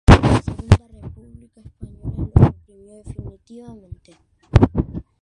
La Segunda República Española lo suprimió definitivamente.